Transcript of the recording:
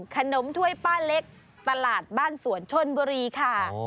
ถ้วยป้าเล็กตลาดบ้านสวนชนบุรีค่ะ